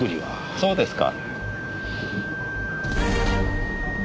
そうですか。